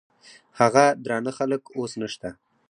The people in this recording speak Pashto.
هغه درانه خلګ اوس نشته.